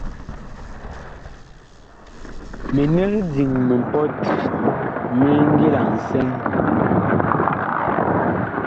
Minig diŋ mipɔt mi ngila nsɛŋ.